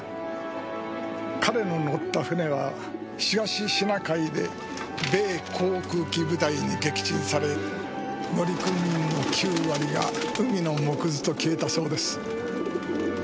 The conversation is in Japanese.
彼の乗った船は東シナ海で米航空機部隊に撃沈され乗組員の９割が海の藻くずと消えたそうです。